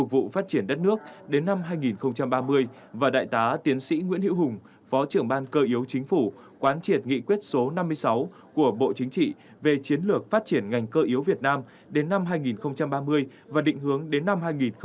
và đại tá tiến sĩ nguyễn hữu hùng phó trưởng ban cơ yếu chính phủ quán triệt nghị quyết số năm mươi sáu của bộ chính trị về chiến lược phát triển ngành cơ yếu việt nam đến năm hai nghìn ba mươi và định hướng đến năm hai nghìn bốn mươi năm